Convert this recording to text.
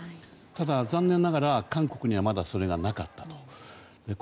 ただ、残念ながら韓国にはまだそれがなかったと。